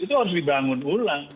itu harus dibangun ulang